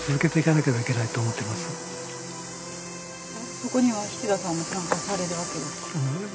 そこには七田さんも参加されるわけですか？